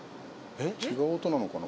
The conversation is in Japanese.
違う音なのかな。